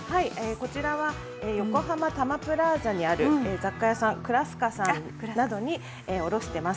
こちらは横浜たまプラーザにある雑貨屋さん、クラスカさんなどに卸してます。